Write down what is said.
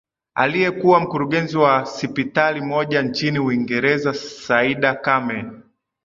aliyekuwa mkurugenzi wa sipitali moja nchini uingereza saida kame